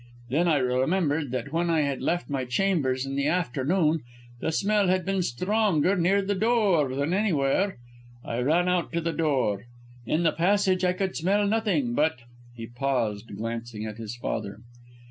Then I remembered that when I had left my chambers in the afternoon, the smell had been stronger near the door than anywhere. I ran out to the door. In the passage I could smell nothing; but " He paused, glancing at his father.